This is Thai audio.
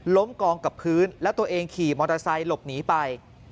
กองกับพื้นแล้วตัวเองขี่มอเตอร์ไซค์หลบหนีไป